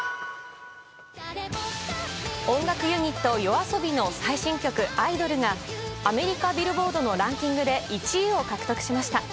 音楽ユニットＹＯＡＳＯＢＩの最新曲「アイドル」がアメリカ・ビルボードのランキングで１位を獲得しました。